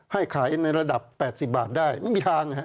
ให้ขายในระดับ๘๐บาทได้ไม่มีทาง